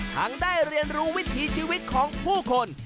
ได้เรียนรู้วิถีชีวิตของผู้คน